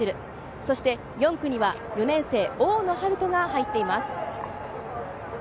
そして４区には４年生・大野陽人が入っています。